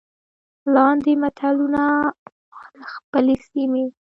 لاندې متلونه ما د خپلې سيمې